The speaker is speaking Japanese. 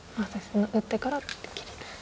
打ってから切り。